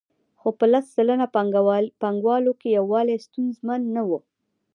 خو په لس سلنه پانګوالو کې یووالی ستونزمن نه وو